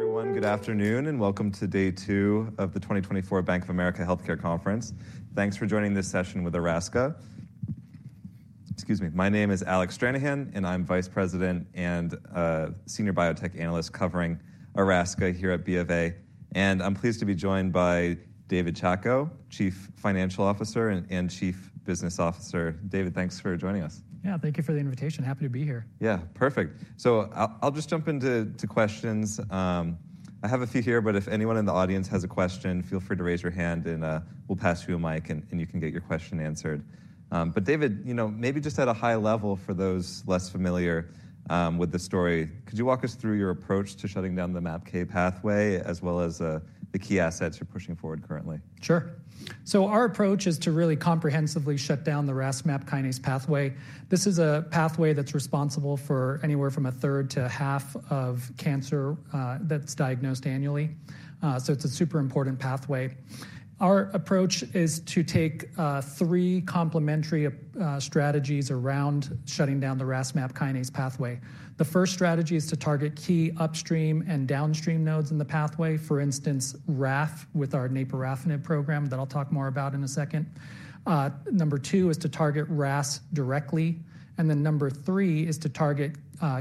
Everyone, good afternoon and welcome to day 2 of the 2024 Bank of America Healthcare Conference. Thanks for joining this session with Erasca. Excuse me, my name is Alec Stranahan, and I'm Vice President and Senior Biotech Analyst covering Erasca here at B of A. I'm pleased to be joined by David Chacko, Chief Financial Officer and Chief Business Officer. David, thanks for joining us. Yeah, thank you for the invitation. Happy to be here. Yeah, perfect. So I'll just jump into questions. I have a few here, but if anyone in the audience has a question, feel free to raise your hand and we'll pass you a mic and you can get your question answered. But David, you know, maybe just at a high level for those less familiar with the story, could you walk us through your approach to shutting down the MAPK pathway as well as the key assets you're pushing forward currently? Sure. So our approach is to really comprehensively shut down the RAS/MAPK pathway. This is a pathway that's responsible for anywhere from a third to half of cancer that's diagnosed annually. So it's a super important pathway. Our approach is to take three complementary strategies around shutting down the RAS/MAPK pathway. The first strategy is to target key upstream and downstream nodes in the pathway, for instance, RAF with our naporafenib program that I'll talk more about in a second. Number two is to target RAS directly. And then number three is to target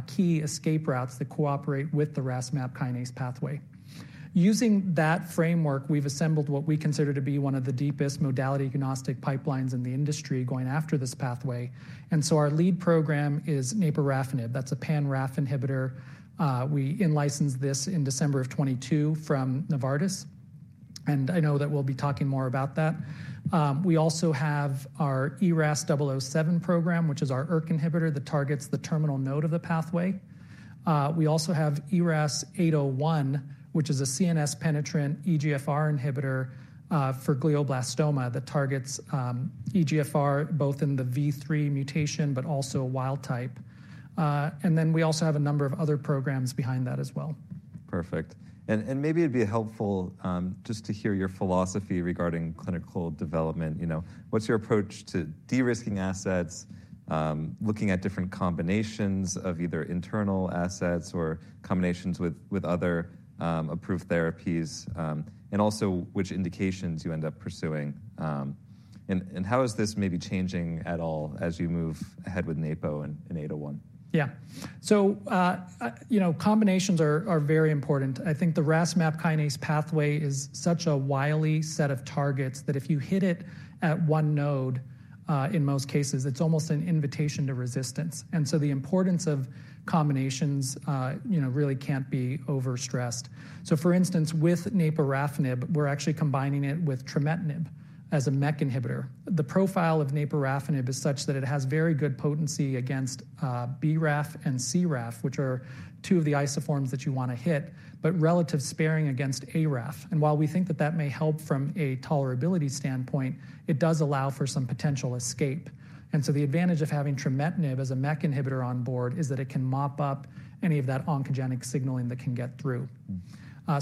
key escape routes that cooperate with the RAS/MAPK pathway. Using that framework, we've assembled what we consider to be one of the deepest modality agnostic pipelines in the industry going after this pathway. And so our lead program is naporafenib. That's a pan-RAF inhibitor. We in-licensed this in December of 2022 from Novartis. And I know that we'll be talking more about that. We also have our ERAS-007 program, which is our ERK inhibitor that targets the terminal node of the pathway. We also have ERAS-801, which is a CNS penetrant EGFR inhibitor, for glioblastoma that targets EGFR both in the vIII mutation but also wild type. And then we also have a number of other programs behind that as well. Perfect. And maybe it'd be helpful, just to hear your philosophy regarding clinical development. You know, what's your approach to de-risking assets, looking at different combinations of either internal assets or combinations with other approved therapies, and also which indications you end up pursuing? And how is this maybe changing at all as you move ahead with NAPRA and 801? Yeah. So, you know, combinations are very important. I think the RAS/MAPK pathway is such a wily set of targets that if you hit it at one node, in most cases, it's almost an invitation to resistance. And so the importance of combinations, you know, really can't be overstressed. So for instance, with naporafenib, we're actually combining it with trametinib as a MEK inhibitor. The profile of naporafenib is such that it has very good potency against BRAF and CRAF, which are two of the isoforms that you want to hit, but relative sparing against ARAF. And while we think that that may help from a tolerability standpoint, it does allow for some potential escape. And so the advantage of having trametinib as a MEK inhibitor on board is that it can mop up any of that oncogenic signaling that can get through.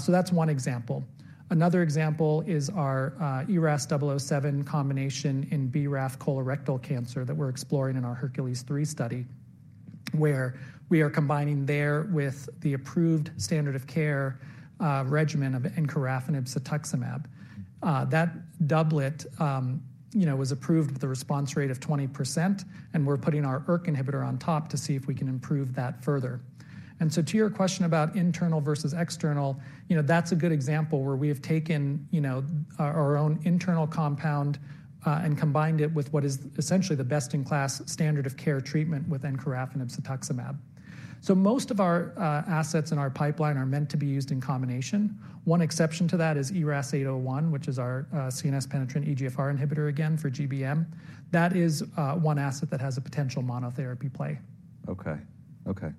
So that's one example. Another example is our ERAS-007 combination in BRAF colorectal cancer that we're exploring in our HERCULES-3 study, where we are combining there with the approved standard of care regimen of encorafenib/cetuximab. That doublet, you know, was approved with a response rate of 20%, and we're putting our ERK inhibitor on top to see if we can improve that further. So to your question about internal versus external, you know, that's a good example where we have taken, you know, our own internal compound, and combined it with what is essentially the best-in-class standard of care treatment with encorafenib/cetuximab. So most of our assets in our pipeline are meant to be used in combination. One exception to that is ERAS-801, which is our CNS-penetrant EGFR inhibitor again for GBM. That is one asset that has a potential monotherapy play. Okay. Okay.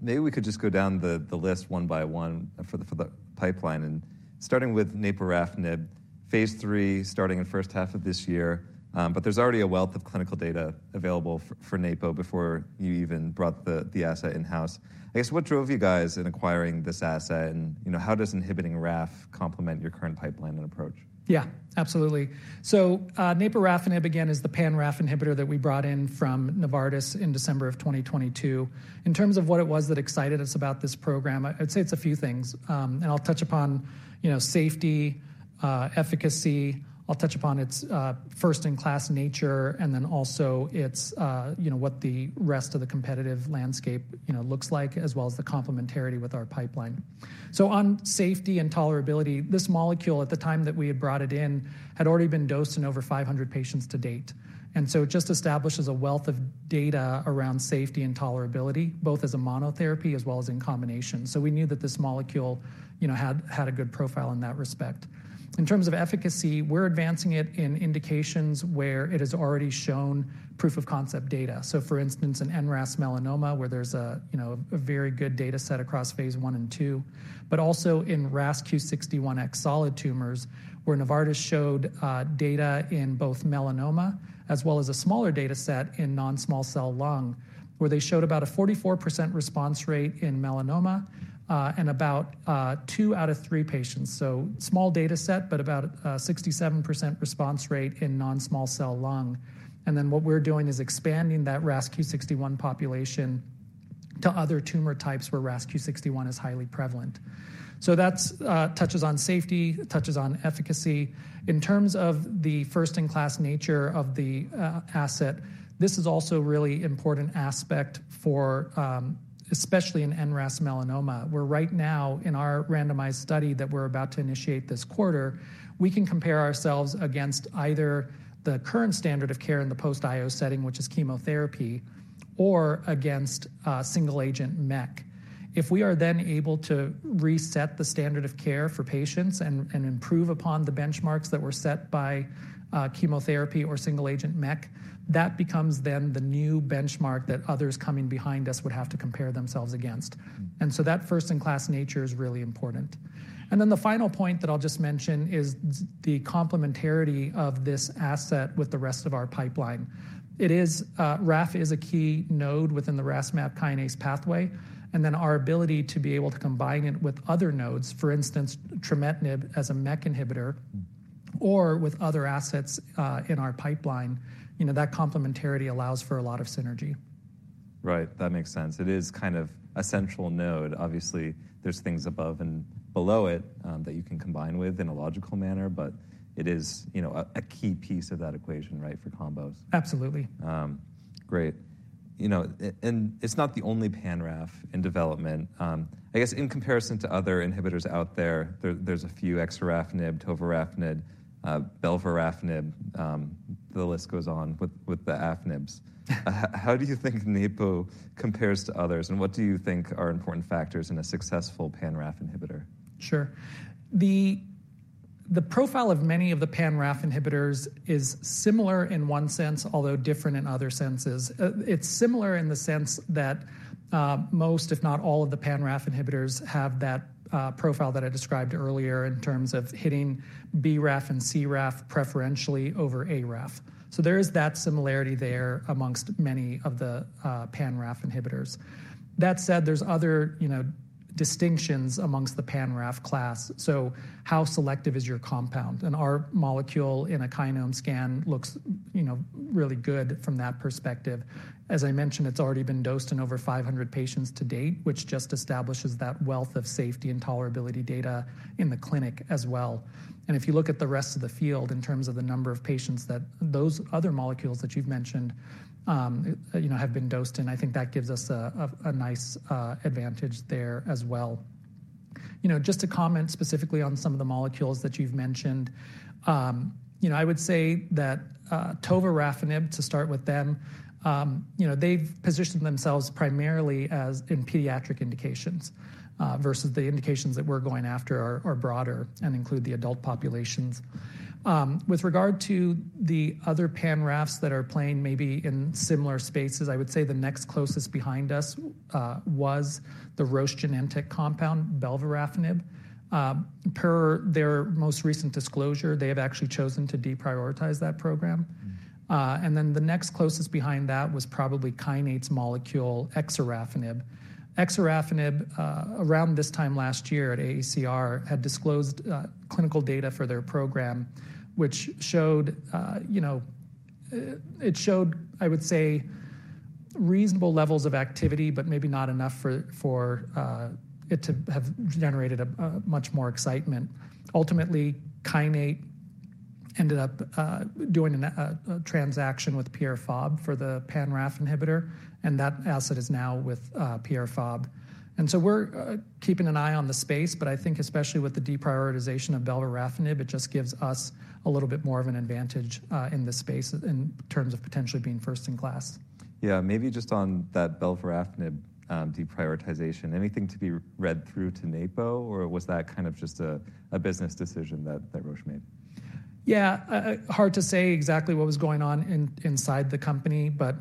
Maybe we could just go down the list one by one for the pipeline. Starting with naporafenib, Phase 3 starting in first half of this year, but there's already a wealth of clinical data available for naporafenib before you even brought the asset in-house. I guess what drove you guys in acquiring this asset, and, you know, how does inhibiting RAF complement your current pipeline and approach? Yeah, absolutely. So, naporafenib again is the pan-RAF inhibitor that we brought in from Novartis in December of 2022. In terms of what it was that excited us about this program, I, I'd say it's a few things. And I'll touch upon, you know, safety, efficacy. I'll touch upon its, first-in-class nature and then also its, you know, what the rest of the competitive landscape, you know, looks like as well as the complementarity with our pipeline. So on safety and tolerability, this molecule at the time that we had brought it in had already been dosed in over 500 patients to date. And so it just establishes a wealth of data around safety and tolerability, both as a monotherapy as well as in combination. So we knew that this molecule, you know, had, had a good profile in that respect. In terms of efficacy, we're advancing it in indications where it has already shown proof-of-concept data. So for instance, in NRAS melanoma where there's a you know a very good data set across phase 1 and 2. But also in RAS Q61X solid tumors where Novartis showed data in both melanoma as well as a smaller data set in non-small cell lung where they showed about a 44% response rate in melanoma, and about 2 out of 3 patients. So small data set, but about a 67% response rate in non-small cell lung. And then what we're doing is expanding that RAS Q61 population to other tumor types where RAS Q61 is highly prevalent. So that's touches on safety, touches on efficacy. In terms of the first-in-class nature of the asset, this is also a really important aspect for especially in NRAS melanoma. Where right now in our randomized study that we're about to initiate this quarter, we can compare ourselves against either the current standard of care in the post-IO setting, which is chemotherapy, or against single-agent MEK. If we are then able to reset the standard of care for patients and, and improve upon the benchmarks that were set by chemotherapy or single-agent MEK, that becomes then the new benchmark that others coming behind us would have to compare themselves against. And so that first-in-class nature is really important. And then the final point that I'll just mention is the complementarity of this asset with the rest of our pipeline. It is, RAF is a key node within the RAS/MAPK pathway. Then our ability to be able to combine it with other nodes, for instance, trametinib as a MEK inhibitor, or with other assets in our pipeline, you know, that complementarity allows for a lot of synergy. Right. That makes sense. It is kind of a central node. Obviously, there's things above and below it, that you can combine with in a logical manner, but it is, you know, a key piece of that equation, right, for combos. Absolutely. Great. You know, and, and it's not the only pan-RAF in development. I guess in comparison to other inhibitors out there, there, there's a few: exorafenib, tovorafenib, belvarafenib, the list goes on with, with the rafenibs. How, how do you think naporafenib compares to others, and what do you think are important factors in a successful pan-RAF inhibitor? Sure. The profile of many of the pan-RAF inhibitors is similar in one sense, although different in other senses. It's similar in the sense that most, if not all, of the pan-RAF inhibitors have that profile that I described earlier in terms of hitting BRAF and CRAF preferentially over ARAF. So there is that similarity there amongst many of the pan-RAF inhibitors. That said, there's other, you know, distinctions amongst the pan-RAF class. So how selective is your compound? And our molecule in a kinome scan looks, you know, really good from that perspective. As I mentioned, it's already been dosed in over 500 patients to date, which just establishes that wealth of safety and tolerability data in the clinic as well. If you look at the rest of the field in terms of the number of patients that those other molecules that you've mentioned, you know, have been dosed in, I think that gives us a nice advantage there as well. You know, just to comment specifically on some of the molecules that you've mentioned, you know, I would say that, tovorafenib to start with them, you know, they've positioned themselves primarily as in pediatric indications, versus the indications that we're going after are broader and include the adult populations. With regard to the other pan-RAFs that are playing maybe in similar spaces, I would say the next closest behind us was the Roche/Genentech compound, belvarafenib. Per their most recent disclosure, they have actually chosen to deprioritize that program. And then the next closest behind that was probably Kinnate molecule, exorafenib. Exorafenib, around this time last year at AACR, had disclosed clinical data for their program, which showed, you know, it showed, I would say, reasonable levels of activity, but maybe not enough for it to have generated a much more excitement. Ultimately, Kinnate ended up doing a transaction with Pierre Fabre for the pan-RAF inhibitor, and that asset is now with Pierre Fabre. And so we're keeping an eye on the space, but I think especially with the deprioritization of belvarafenib, it just gives us a little bit more of an advantage in this space in terms of potentially being first-in-class. Yeah. Maybe just on that belvarafenib deprioritization, anything to be read through to naporafenib, or was that kind of just a business decision that Roche made? Yeah. Hard to say exactly what was going on inside the company, but,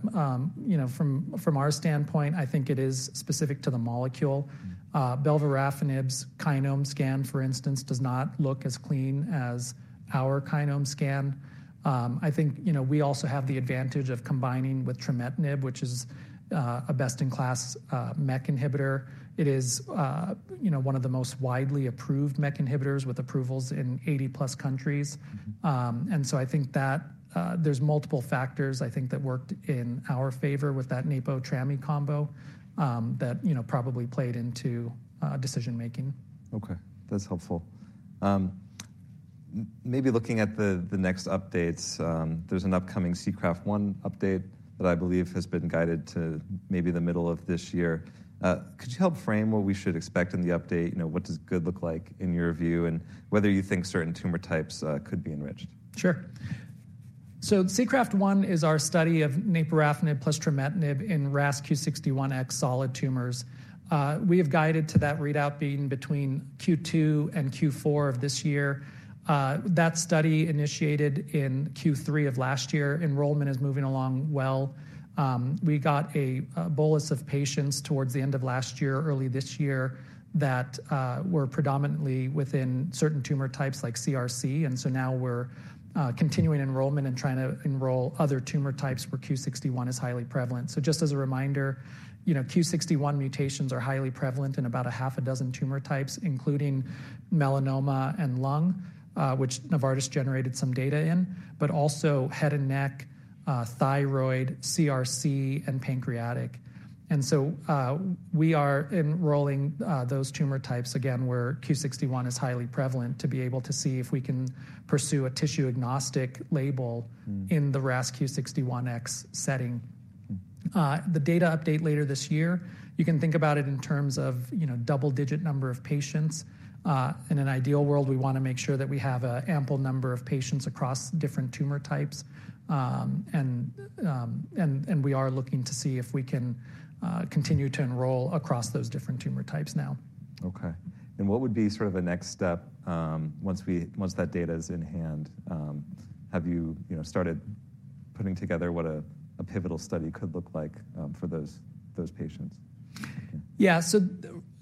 you know, from our standpoint, I think it is specific to the molecule. Belvarafenib's kinome scan, for instance, does not look as clean as our kinome scan. I think, you know, we also have the advantage of combining with trametinib, which is a best-in-class MEK inhibitor. It is, you know, one of the most widely approved MEK inhibitors with approvals in 80+ countries. And so I think that, there's multiple factors, I think, that worked in our favor with that naporafenib-trametinib combo, that, you know, probably played into decision-making. Okay. That's helpful. Maybe looking at the next updates, there's an upcoming SEACRAFT-1 update that I believe has been guided to maybe the middle of this year. Could you help frame what we should expect in the update? You know, what does good look like in your view and whether you think certain tumor types could be enriched? Sure. So SEACRAFT-1 is our study of naporafenib plus trametinib in RAS Q61X solid tumors. We have guided to that readout being between Q2 and Q4 of this year. That study initiated in Q3 of last year. Enrollment is moving along well. We got a bolus of patients towards the end of last year, early this year, that were predominantly within certain tumor types like CRC. And so now we're continuing enrollment and trying to enroll other tumor types where Q61 is highly prevalent. So just as a reminder, you know, Q61 mutations are highly prevalent in about a half a dozen tumor types, including melanoma and lung, which Novartis generated some data in, but also head and neck, thyroid, CRC, and pancreatic. And so, we are enrolling those tumor types again where Q61 is highly prevalent to be able to see if we can pursue a tissue-agnostic label in the RAS Q61X setting. The data update later this year, you can think about it in terms of, you know, double-digit number of patients. In an ideal world, we want to make sure that we have an ample number of patients across different tumor types. We are looking to see if we can continue to enroll across those different tumor types now. Okay. And what would be sort of the next step, once that data is in hand? Have you, you know, started putting together what a pivotal study could look like, for those patients? Yeah. So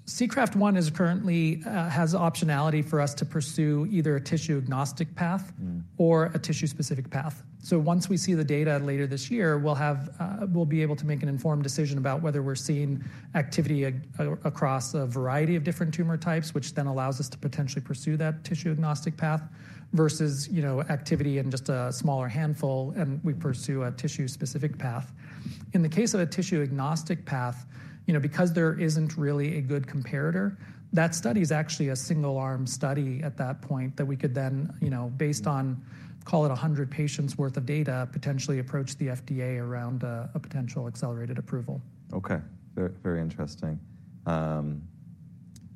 SEACRAFT-1 is currently, has optionality for us to pursue either a tissue-agnostic path or a tissue-specific path. So once we see the data later this year, we'll have, we'll be able to make an informed decision about whether we're seeing activity across a variety of different tumor types, which then allows us to potentially pursue that tissue-agnostic path versus, you know, activity in just a smaller handful and we pursue a tissue-specific path. In the case of a tissue-agnostic path, you know, because there isn't really a good comparator, that study is actually a single-arm study at that point that we could then, you know, based on, call it, 100 patients' worth of data, potentially approach the FDA around a potential accelerated approval. Okay. Very, very interesting.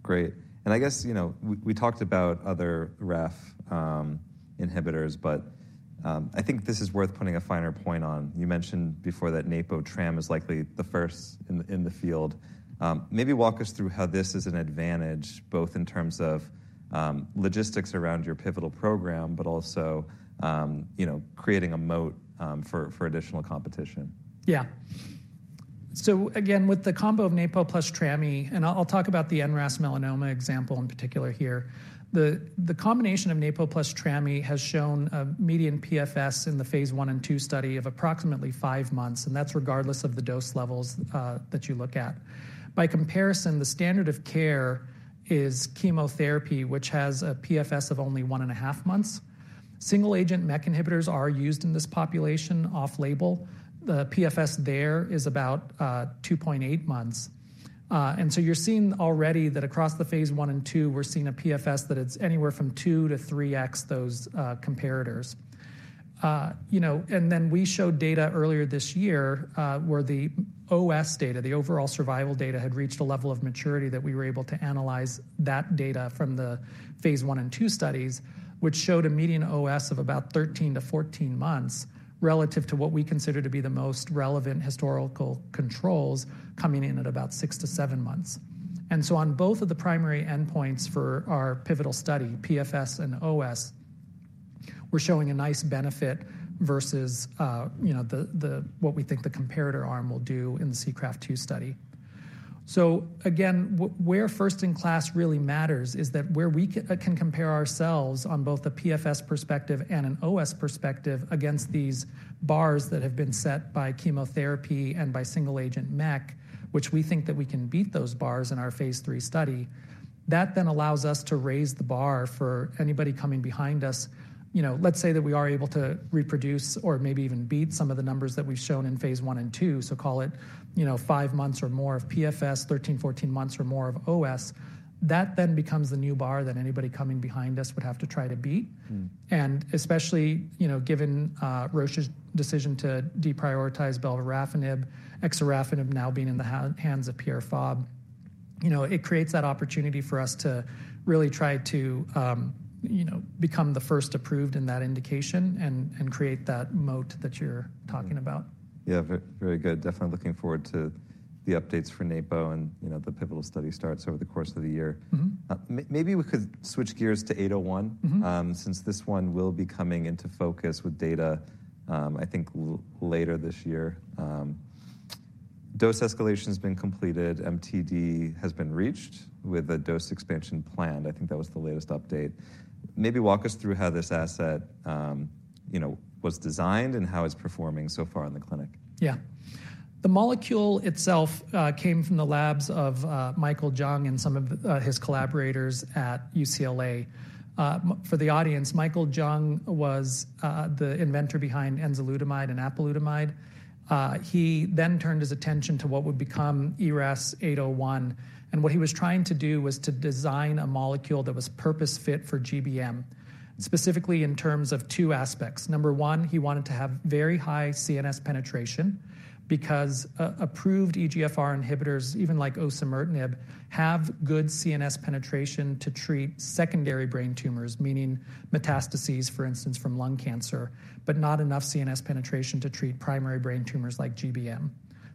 Great. And I guess, you know, we, we talked about other RAF inhibitors, but, I think this is worth putting a finer point on. You mentioned before that NAPRA-TRAM is likely the first in the, in the field. Maybe walk us through how this is an advantage both in terms of, logistics around your pivotal program, but also, you know, creating a moat, for, for additional competition. Yeah. So again, with the combo of NAPRA plus TRAMI, and I'll, I'll talk about the NRAS melanoma example in particular here. The, the combination of NAPRA plus TRAMI has shown a median PFS in the phase 1 and 2 study of approximately 5 months, and that's regardless of the dose levels that you look at. By comparison, the standard of care is chemotherapy, which has a PFS of only 1.5 months. Single-agent MEK inhibitors are used in this population off-label. The PFS there is about 2.8 months, and so you're seeing already that across the phase 1 and 2, we're seeing a PFS that's anywhere from 2-3x those comparators. You know, and then we showed data earlier this year, where the OS data, the overall survival data, had reached a level of maturity that we were able to analyze that data from the phase 1 and 2 studies, which showed a median OS of about 13-14 months relative to what we consider to be the most relevant historical controls coming in at about 6-7 months. And so on both of the primary endpoints for our pivotal study, PFS and OS, we're showing a nice benefit versus, you know, the what we think the comparator arm will do in the SEACRAFT-2 study. So again, what where first-in-class really matters is that where we can compare ourselves on both a PFS perspective and an OS perspective against these bars that have been set by chemotherapy and by single-agent MEK, which we think that we can beat those bars in our phase 3 study, that then allows us to raise the bar for anybody coming behind us. You know, let's say that we are able to reproduce or maybe even beat some of the numbers that we've shown in phase 1 and 2, so call it, you know, 5 months or more of PFS, 13-14 months or more of OS, that then becomes the new bar that anybody coming behind us would have to try to beat. And especially, you know, given Roche's decision to deprioritize belvarafenib, exorafenib now being in the hands of Pierre Fabre, you know, it creates that opportunity for us to really try to, you know, become the first approved in that indication and, and create that moat that you're talking about. Yeah. Very, very good. Definitely looking forward to the updates for NAPRA and, you know, the pivotal study starts over the course of the year. Maybe we could switch gears to 801, since this one will be coming into focus with data, I think later this year. Dose escalation has been completed. MTD has been reached with a dose expansion planned. I think that was the latest update. Maybe walk us through how this asset, you know, was designed and how it's performing so far in the clinic. Yeah. The molecule itself came from the labs of Michael Jung and some of his collaborators at UCLA. For the audience, Michael Jung was the inventor behind enzalutamide and apalutamide. He then turned his attention to what would become ERAS 801. And what he was trying to do was to design a molecule that was purpose-fit for GBM, specifically in terms of two aspects. Number one, he wanted to have very high CNS penetration because approved EGFR inhibitors, even like osimertinib, have good CNS penetration to treat secondary brain tumors, meaning metastases, for instance, from lung cancer, but not enough CNS penetration to treat primary brain tumors like GBM.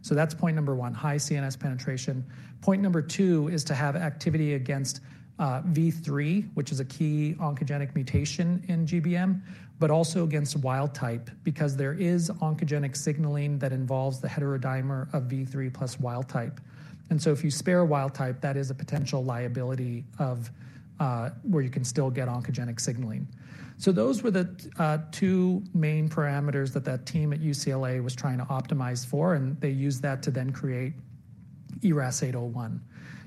So that's point number one, high CNS penetration. Point number two is to have activity against V3, which is a key oncogenic mutation in GBM, but also against wild type because there is oncogenic signaling that involves the heterodimer of V3 plus wild type. And so if you spare wild type, that is a potential liability where you can still get oncogenic signaling. So those were the two main parameters that that team at UCLA was trying to optimize for, and they used that to then create ERAS-801.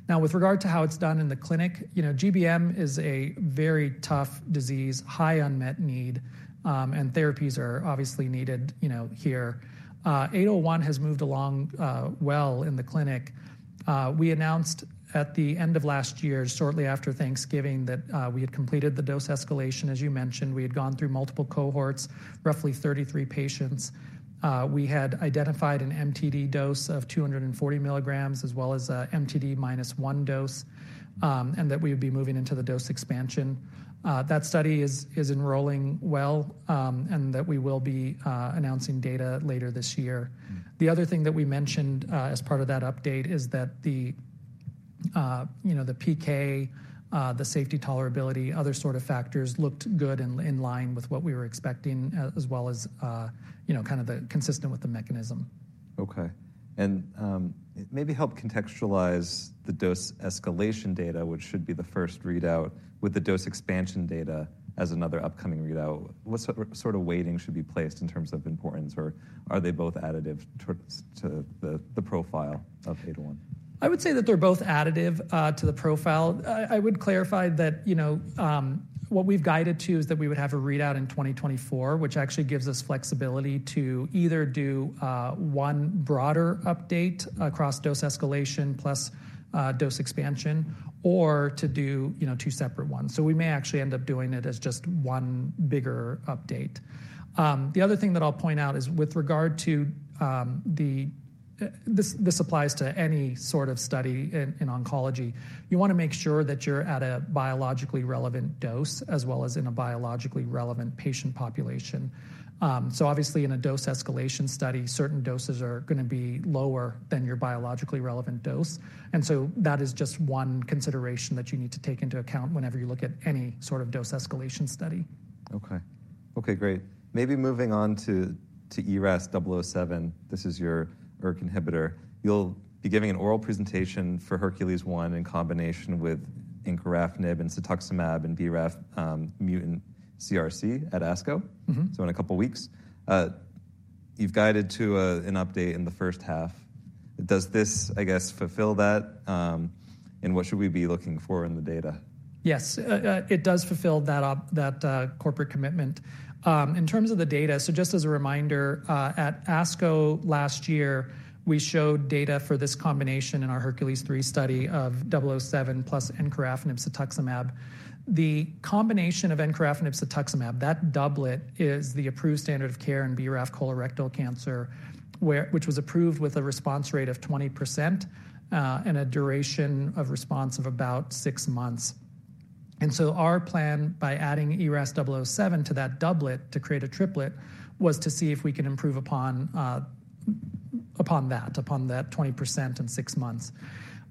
Now, with regard to how it's done in the clinic, you know, GBM is a very tough disease, high unmet need, and therapies are obviously needed, you know, here. ERAS-801 has moved along well in the clinic. We announced at the end of last year, shortly after Thanksgiving, that we had completed the dose escalation. As you mentioned, we had gone through multiple cohorts, roughly 33 patients. We had identified an MTD dose of 240 milligrams as well as an MTD minus one dose, and that we would be moving into the dose expansion. That study is enrolling well, and that we will be announcing data later this year. The other thing that we mentioned, as part of that update, is that the, you know, the PK, the safety, tolerability, other sort of factors looked good in line with what we were expecting as well as, you know, kind of the consistent with the mechanism. Okay. Maybe help contextualize the dose escalation data, which should be the first readout, with the dose expansion data as another upcoming readout. What sort of weighting should be placed in terms of importance, or are they both additive towards to the profile of 801? I would say that they're both additive to the profile. I, I would clarify that, you know, what we've guided to is that we would have a readout in 2024, which actually gives us flexibility to either do one broader update across dose escalation plus dose expansion, or to do, you know, two separate ones. So we may actually end up doing it as just one bigger update. The other thing that I'll point out is with regard to the, this, this applies to any sort of study in, in oncology. You want to make sure that you're at a biologically relevant dose as well as in a biologically relevant patient population. So obviously in a dose escalation study, certain doses are going to be lower than your biologically relevant dose. That is just one consideration that you need to take into account whenever you look at any sort of dose escalation study. Okay. Okay. Great. Maybe moving on to, to ERAS-007. This is your ERK inhibitor. You'll be giving an oral presentation for HERCULES-1 in combination with encorafenib and cetuximab and BRAF-mutant CRC at ASCO. Mm-hmm. In a couple of weeks, you've guided to an update in the first half. Does this, I guess, fulfill that? And what should we be looking for in the data? Yes. It does fulfill that corporate commitment. In terms of the data, so just as a reminder, at ASCO last year, we showed data for this combination in our Hercules-3 study of 007 plus encorafenib cetuximab. The combination of encorafenib cetuximab, that doublet is the approved standard of care in BRAF colorectal cancer, which was approved with a response rate of 20%, and a duration of response of about 6 months. So our plan by adding ERAS-007 to that doublet to create a triplet was to see if we can improve upon that 20% in 6 months.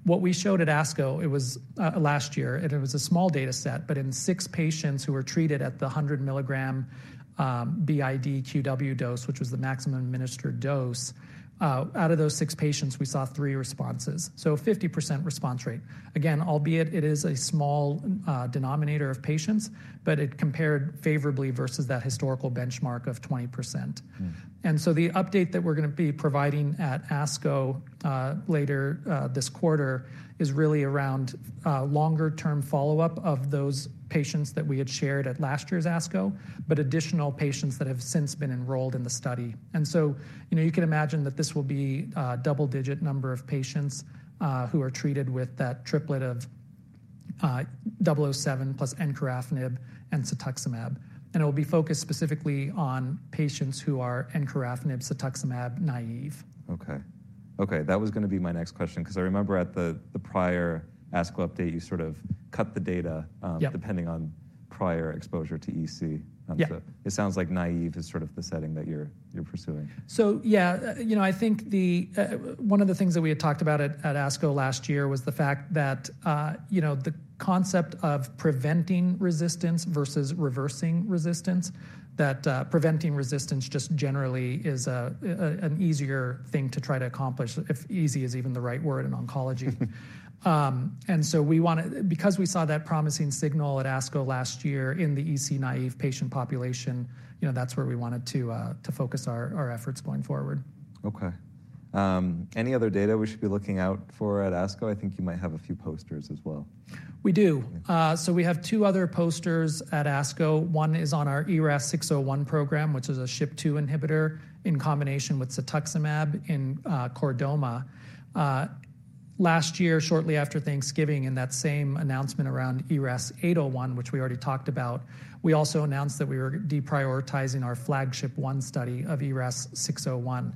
What we showed at ASCO last year, and it was a small dataset, but in 6 patients who were treated at the 100 milligram, BID QW dose, which was the maximum administered dose, out of those 6 patients, we saw 3 responses. So a 50% response rate. Again, albeit it is a small denominator of patients, but it compared favorably versus that historical benchmark of 20%. And so the update that we're going to be providing at ASCO later this quarter is really around longer-term follow-up of those patients that we had shared at last year's ASCO, but additional patients that have since been enrolled in the study. And so, you know, you can imagine that this will be double-digit number of patients who are treated with that triplet of 007 plus encorafenib and cetuximab. And it will be focused specifically on patients who are encorafenib cetuximab naive. Okay. Okay. That was going to be my next question because I remember at the prior ASCO update, you sort of cut the data, depending on prior exposure to EC. Yeah. And so it sounds like naive is sort of the setting that you're pursuing. So yeah, you know, I think one of the things that we had talked about at ASCO last year was the fact that, you know, the concept of preventing resistance versus reversing resistance, that preventing resistance just generally is an easier thing to try to accomplish, if easy is even the right word in oncology. So we want to, because we saw that promising signal at ASCO last year in the EGFR-naive patient population, you know, that's where we wanted to focus our efforts going forward. Okay. Any other data we should be looking out for at ASCO? I think you might have a few posters as well. We do. So we have two other posters at ASCO. One is on our ERAS-601 program, which is a SHP2 inhibitor in combination with cetuximab in chordoma. Last year, shortly after Thanksgiving, in that same announcement around ERAS-801, which we already talked about, we also announced that we were deprioritizing our FLAGSHIP-1 study of ERAS-601.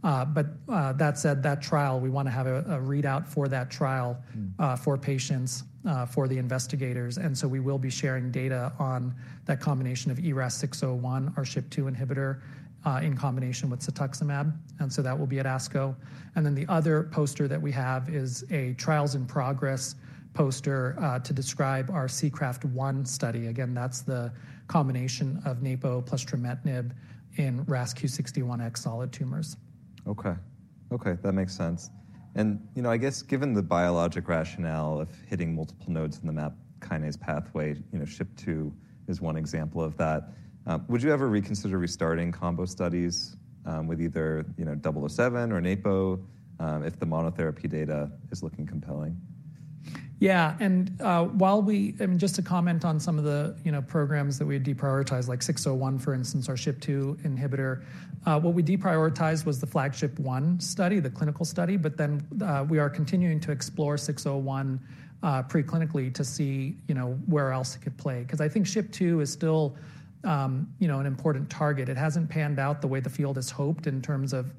But that said, that trial, we want to have a readout for that trial, for patients, for the investigators. So we will be sharing data on that combination of ERAS-601, our SHP2 inhibitor, in combination with cetuximab. So that will be at ASCO. Then the other poster that we have is a trials in progress poster to describe our SEACRAFT-1 study. Again, that's the combination of NAPO plus trametinib in RAS Q61X solid tumors. Okay. Okay. That makes sense. And, you know, I guess given the biologic rationale of hitting multiple nodes in the MAP kinase pathway, you know, SHP2 is one example of that. Would you ever reconsider restarting combo studies, with either, you know, 007 or NAPO, if the monotherapy data is looking compelling? Yeah. While we, I mean, just to comment on some of the, you know, programs that we had deprioritized, like 601, for instance, our SHP2 inhibitor, what we deprioritized was the flagship 601 study, the clinical study, but then, we are continuing to explore 601, preclinically to see, you know, where else it could play. Because I think SHP2 is still, you know, an important target. It hasn't panned out the way the field has hoped in terms of,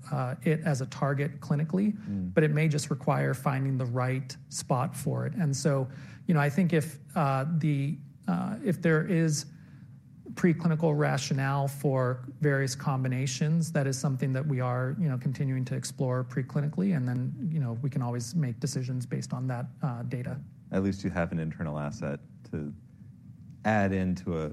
it as a target clinically, but it may just require finding the right spot for it. And so, you know, I think if there is preclinical rationale for various combinations, that is something that we are, you know, continuing to explore preclinically, and then, you know, we can always make decisions based on that data. At least you have an internal asset to add into a,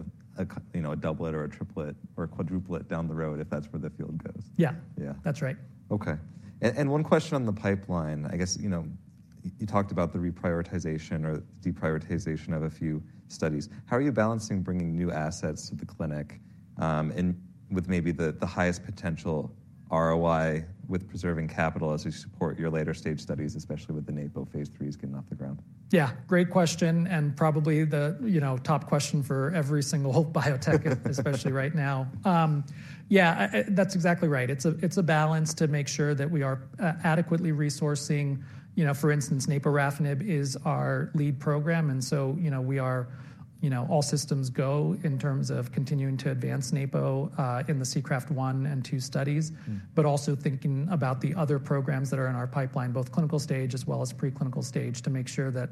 you know, a doublet or a triplet or a quadruplet down the road if that's where the field goes. Yeah. Yeah. That's right. Okay. And one question on the pipeline, I guess, you know, you talked about the reprioritization or deprioritization of a few studies. How are you balancing bringing new assets to the clinic, and with maybe the highest potential ROI with preserving capital as you support your later stage studies, especially with the NAPO phase 3s getting off the ground? Yeah. Great question and probably the, you know, top question for every single biotech, especially right now. Yeah, that's exactly right. It's a, it's a balance to make sure that we are, adequately resourcing, you know, for instance, naporafenib is our lead program. And so, you know, we are, you know, all systems go in terms of continuing to advance naporafenib, in the SEACRAFT-1 and 2 studies, but also thinking about the other programs that are in our pipeline, both clinical stage as well as preclinical stage, to make sure that,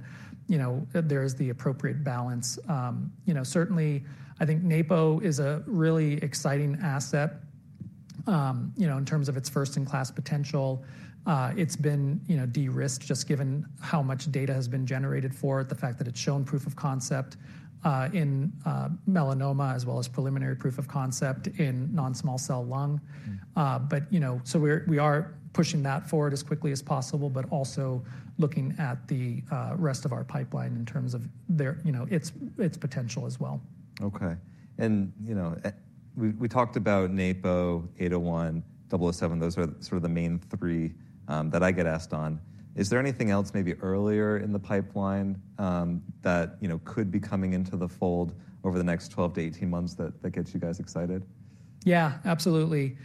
you know, there is the appropriate balance. You know, certainly, I think naporafenib is a really exciting asset, you know, in terms of its first-in-class potential. It's been, you know, de-risked just given how much data has been generated for it, the fact that it's shown proof of concept in melanoma as well as preliminary proof of concept in non-small cell lung. But, you know, so we're pushing that forward as quickly as possible, but also looking at the rest of our pipeline in terms of their potential as well. Okay. You know, we talked about naporafenib, ERAS-801, ERAS-007. Those are sort of the main three that I get asked on. Is there anything else maybe earlier in the pipeline that you know could be coming into the fold over the next 12-18 months that gets you guys excited? Yeah, absolutely.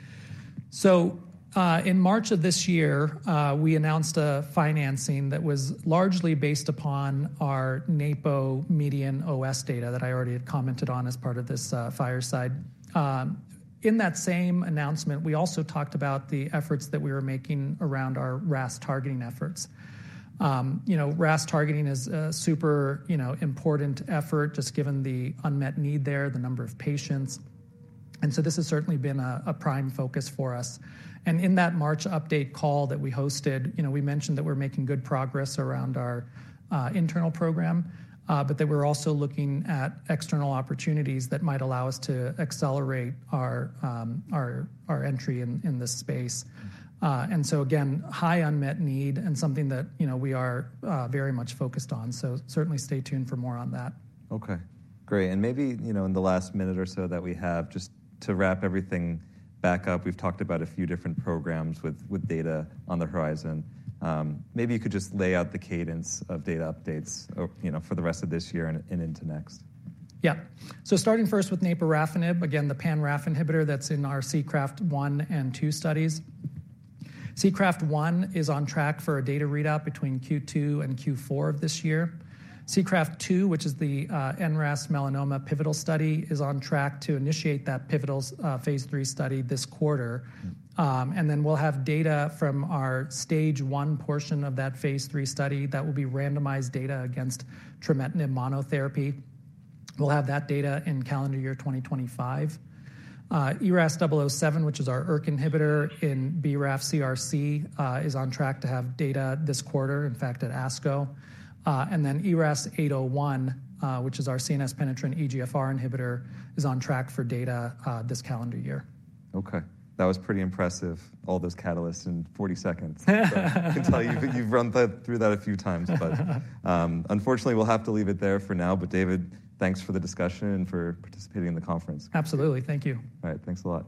So, in March of this year, we announced a financing that was largely based upon our NAPO median OS data that I already had commented on as part of this fireside. In that same announcement, we also talked about the efforts that we were making around our RAS targeting efforts. You know, RAS targeting is a super, you know, important effort just given the unmet need there, the number of patients. And so this has certainly been a prime focus for us. And in that March update call that we hosted, you know, we mentioned that we're making good progress around our internal program, but that we're also looking at external opportunities that might allow us to accelerate our entry in this space. And so again, high unmet need and something that, you know, we are very much focused on. Certainly stay tuned for more on that. Okay. Great. And maybe, you know, in the last minute or so that we have, just to wrap everything back up, we've talked about a few different programs with data on the horizon. Maybe you could just lay out the cadence of data updates, you know, for the rest of this year and into next. Yeah. So starting first with naporafenib, again, the pan-RAF inhibitor that's in our SEACRAFT-1 and SEACRAFT-2 studies. SEACRAFT-1 is on track for a data readout between Q2 and Q4 of this year. SEACRAFT-2, which is the NRAS melanoma pivotal study, is on track to initiate that pivotal phase 3 study this quarter, and then we'll have data from our stage one portion of that phase 3 study that will be randomized data against trametinib monotherapy. We'll have that data in calendar year 2025. ERAS-007, which is our ERK inhibitor in BRAF CRC, is on track to have data this quarter, in fact, at ASCO. And then ERAS-801, which is our CNS-penetrant EGFR inhibitor, is on track for data this calendar year. Okay. That was pretty impressive, all those catalysts in 40 seconds. I can tell you've run that through that a few times, but, unfortunately, we'll have to leave it there for now. But David, thanks for the discussion and for participating in the conference. Absolutely. Thank you. All right. Thanks a lot.